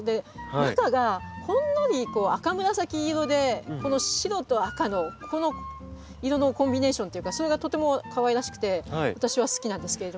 中がほんのり赤紫色でこの白と赤のこの色のコンビネーションっていうかそれがとてもかわいらしくて私は好きなんですけれども。